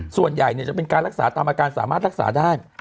ส่วนใหญ่เนี่ยจะเป็นการรักษาตามอาการสามารถรักษาได้